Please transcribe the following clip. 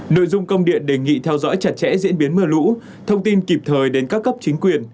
nội dung công điện đề nghị theo dõi chặt chẽ diễn biến mưa lũ thông tin kịp thời đến các cấp chính quyền